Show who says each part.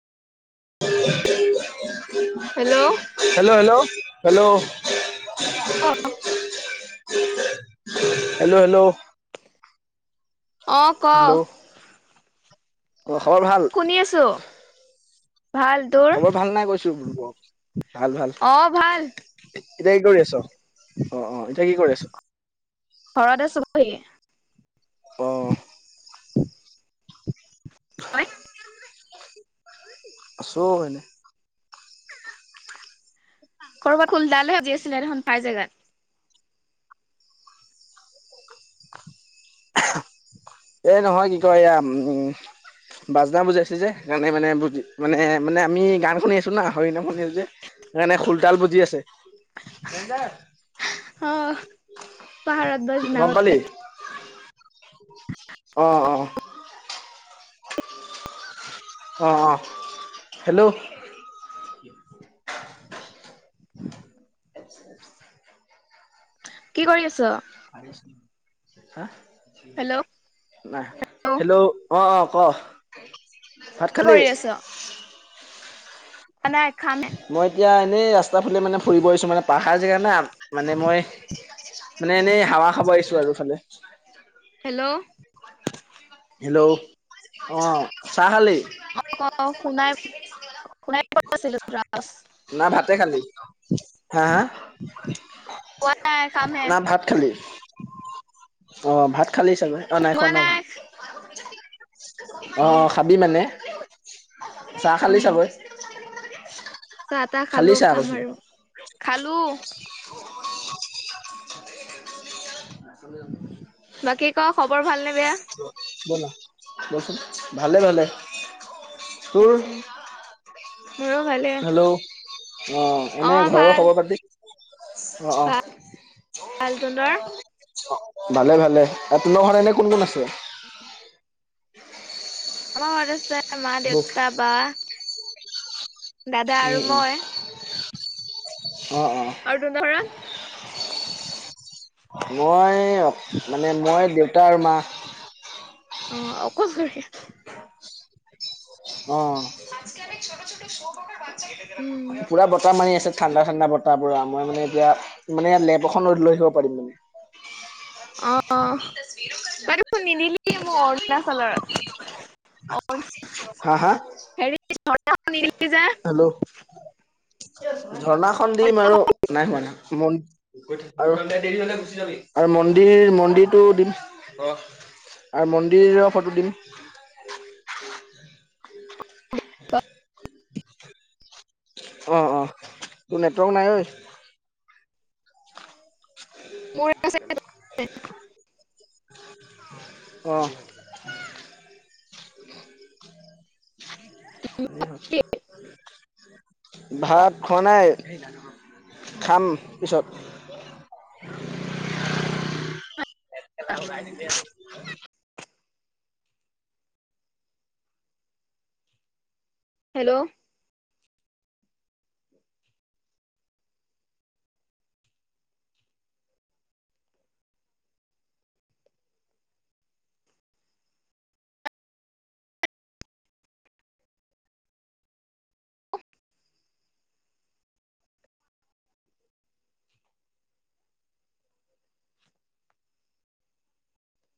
Speaker 1: Hello?
Speaker 2: Hello hello hello?
Speaker 1: অ
Speaker 2: hello hello?
Speaker 1: অ ক
Speaker 2: হেল্ল' অ', খবৰ ভাল?
Speaker 1: শুনি আছোঁ। ভাল, তোৰ?
Speaker 2: খবৰ ভাল নাই কৈছো [unintelligible] ভাল ভাল।
Speaker 1: অ ভাল
Speaker 2: এতিয়া কি কৰি আছ? অ', অ', এতিয়া কি কৰি আছ?
Speaker 1: ঘৰত আছোঁ বহি।
Speaker 2: অ'।
Speaker 1: তই
Speaker 2: [inaudible] আছোঁ এনে।
Speaker 1: কৰবাত খোল-তাল বাজি আছিলে দেখোন পাই জেগাত।
Speaker 2: এই নহয় কি কয় এয়া, উম বাজনা বজাইছে যে, সেইকাৰণে মানে বুজি মানে আমি গান শুনি আছো না হৰি নাম শুনি আছো যে। সেইকাৰণে খোল-তাল বজি আছে।
Speaker 1: অ পাহাৰত বা
Speaker 2: [unintelligible] গ'ম
Speaker 1: জনাবত
Speaker 2: পালি? [inaudible] অ', অ'। অ', অ', হেল্ল'? [unintelligible]
Speaker 1: কি কৰি আছ? হেল্ল'
Speaker 2: [unintelligible] নাই
Speaker 1: কি
Speaker 2: হেল্ল' অ', অ', ক' ভাত খালি?
Speaker 1: কৰি আছ নাই খাম হে।
Speaker 2: মই এতিয়া এনেই ৰাস্তা ফালে মানে ফুৰিব আহিছোঁ, মানে পাহাৰ জেগা না, মানে মই মানে এনেই হাৱা খাব আহিছো আৰু এইফালে।
Speaker 1: হেল্ল'?
Speaker 2: হেল্ল' অ', চাহা খালি?
Speaker 1: অ', ক' শুনাই শুনাই পোৱা নাছিলো তোৰ আৱাজ।
Speaker 2: নে ভাতে খালি, হা হা?
Speaker 1: খোৱা নাই খামহে
Speaker 2: না ভাত খালি? অ', ভাত খালো চাগৈ অ', নাই খোৱা ন' ভাত? অ', অ', খা খাবি মানে? চাহ খালি চাগৈ?
Speaker 1: চাহ-তাহ
Speaker 2: খালি
Speaker 1: খালো
Speaker 2: চাহ
Speaker 1: খাম
Speaker 2: কৈছো
Speaker 1: আৰু খালো।
Speaker 2: [unintelligible]
Speaker 1: বাকী ক' খবৰ ভাল নে বেয়া?
Speaker 2: [unintelligible] ভালে ভালে। তোৰ
Speaker 1: আত্ছা, মোৰো ভালে।
Speaker 2: হেল্ল' অ এনে ঘৰৰ খবৰ খাতি অ অ'।
Speaker 1: ভাল ভাল, তহঁতৰ
Speaker 2: অ ভালে ভালে, আৰু তহঁতৰ ঘৰত এনে কোন কোন আছে
Speaker 1: আমাৰ ঘৰত আছে মা
Speaker 2: বৌ
Speaker 1: দেউতা বা। দাদা আৰু
Speaker 2: উম' উম'
Speaker 1: মই।
Speaker 2: অ অ
Speaker 1: আৰু তহঁতৰ ঘৰত
Speaker 2: মই মানে মই দেউতা আৰু মা।
Speaker 1: অ' অকলশৰীয়া।
Speaker 2: অ' [unintelligible]
Speaker 1: উম,
Speaker 2: পুৰা বতাহ মাৰি আছে। ঠাণ্ডা ঠাণ্ডা বতাহ পুৰা মই মানে এতিয়া মানে লেপ এখনত লৈ লৈ থাকিব পাৰিম মানে
Speaker 1: অ' তই দেখোন নিদিলি মোক অৰুণাচলৰ।
Speaker 2: [unintelligible] হা হা
Speaker 1: [unintelligible]
Speaker 2: হেল্ল' ঝৰ্ণাখন দিম আৰু নাই হোৱা নাই হোৱা ম আৰু দেৰি হ'লে গুচি যাবি। আৰু মন্দিৰ মন্দিৰটো দিম অ আৰু মন্দিৰৰ ফটো দিম। অ অ তোৰ নেটৱৰ্ক নাই ঐ
Speaker 1: মোৰ আছে তোৰ নাই
Speaker 2: অ' যি হয়। ভাত খোৱা নাই খাম পিছত।
Speaker 1: অ
Speaker 2: [unintelligible]
Speaker 1: হেল্ল'